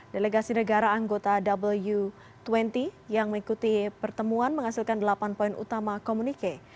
delegasi negara anggota w dua puluh yang mengikuti pertemuan menghasilkan delapan poin utama komunique